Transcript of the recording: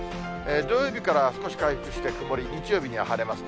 土曜日から少し回復して曇り、日曜日には晴れます。